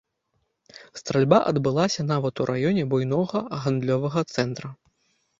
Стральба адбылася нават у раёне буйнога гандлёвага цэнтра.